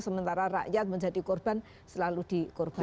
sementara rakyat menjadi korban selalu dikorbankan